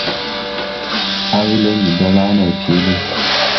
Awelɛ ndi da laa nday peele.